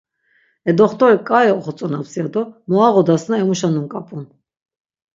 E doxt̆orik k̆ai oxotzonaps ya do mu ağodasna emuşa nunk̆ap̆un.